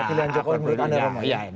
pilihan jokowi menurut anda